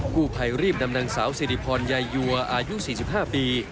ผู้ภัยรีบนำนางสาวสิริพรยายยัวอายุ๔๕ปี